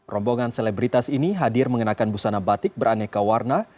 rombongan selebritas ini hadir mengenakan busana batik beraneka warna